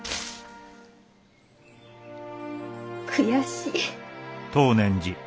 悔しい。